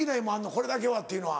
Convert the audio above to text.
これだけはっていうのは。